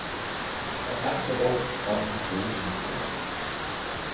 Og sang det rundt om i brusende kor.